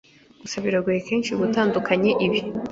gusa biragoye kenshi gutandukanye ibi